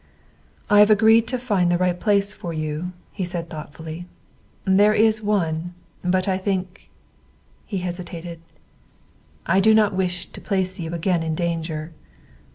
"I have agreed to find the right place for you," he said thoughtfully. "There is one, but I think " He hesitated. "I do not wish to place you again in danger."